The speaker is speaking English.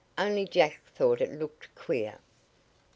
"Only Jack thought it looked queer."